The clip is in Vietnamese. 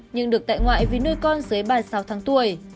nhưng được tại ngoại vì nuôi con dưới ba mươi sáu tháng tuổi